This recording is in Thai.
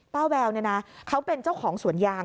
แววเนี่ยนะเขาเป็นเจ้าของสวนยาง